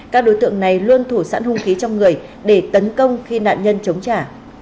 các đối tượng này luôn thủ sẵn hung khí trong người để tấn công khi nạn nhân chống trả